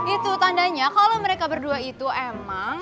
itu tandanya kalau mereka berdua itu emang